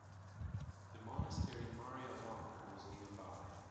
The monastery Maria-Lonk was nearby.